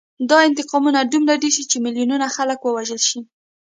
دا انتقامونه دومره ډېر شي چې میلیونونه خلک ووژل شي